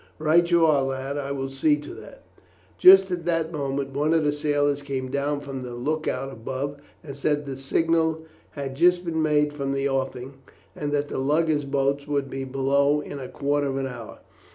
"Right you are, lad. I will see to that." Just at this moment one of the sailors came down from the look out above, and said that the signal had just been made from the offing, and that the lugger's boat would be below in a quarter of an hour.